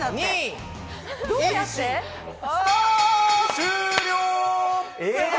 終了！